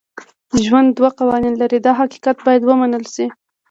ژوند دوه قوانین لري دا حقیقت باید ومنل شي.